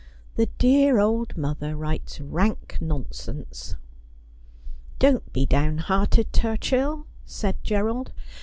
' The dear old mother writes rank non sense.' 'Don't be down hearted, Turchill,' said Gerald.